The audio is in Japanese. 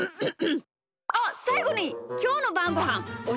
あっさいごにきょうのばんごはんおしえてください！